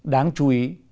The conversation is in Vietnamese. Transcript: đáng chú ý